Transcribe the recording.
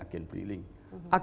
agen bri adalah salah satu